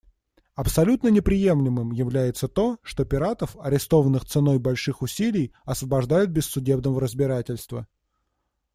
Абсолютно неприемлемым является то, что пиратов, арестованных ценой больших усилий, освобождают без судебного разбирательства.